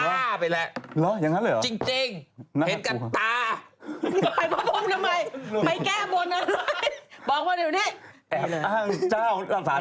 งั้นแหละเหรอจริงเห็นคับตา